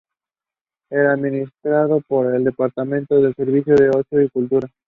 Es administrado por el Departamento de Servicios de Ocio y Cultura.